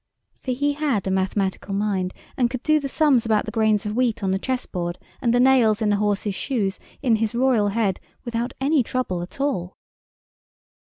For he had a mathematical mind, and could do the sums about the grains of wheat on the chess board, and the nails in the horse's shoes, in his Royal head without any trouble at all.